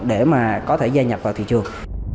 để mà có thể gia nhập vào thị trường